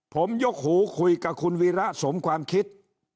ผมยกหูคุยกับคุณวีระสมความคิด